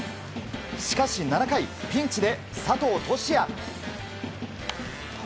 しかし、７回ピンチで佐藤都志也。